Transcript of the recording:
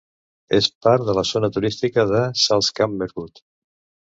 És part de la zona turística de Salzkammergut.